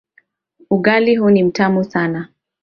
Ugali huu ni mtamu sana.